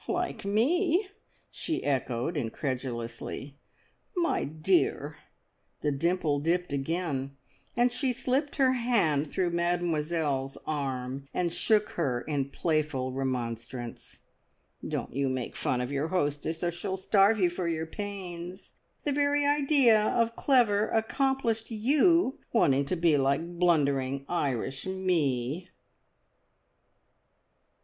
"Like me!" she echoed incredulously. "My dear!" The dimple dipped again, and she slipped her hand through Mademoiselle's arm and shook her in playful remonstrance. "Don't you make fun of your hostess, or she'll starve you for your pains. The very idea of clever, accomplished You wanting to be like blundering Irish Me!"